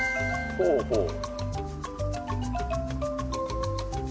ほうほう。